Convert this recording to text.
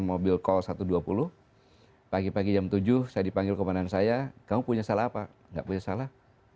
mobil call satu ratus dua puluh pagi pagi jam tujuh saya dipanggil komandan saya kamu punya salah apa enggak punya salah